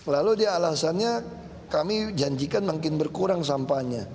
lalu dia alasannya kami janjikan makin berkurang sampahnya